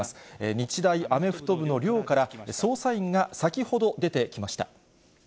日大アメフト部の寮から捜査員が先ほど、出てきました。